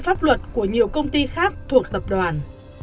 pháp luật của nhiều công ty khác thuộc tập đoàn